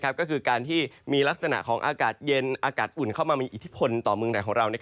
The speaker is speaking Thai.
ก็คือการที่มีลักษณะของอากาศเย็นอากาศอุ่นเข้ามามีอิทธิพลต่อเมืองไหนของเรา